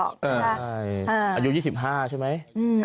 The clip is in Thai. อายุ๒๕ใช่ไหม